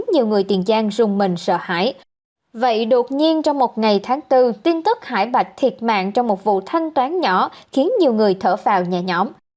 nhưng trong một ngày tháng bốn tin tức hải bạch thiệt mạng trong một vụ thanh toán nhỏ khiến nhiều người thở vào nhà nhóm